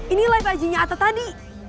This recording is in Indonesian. ini live ig nya atta tadi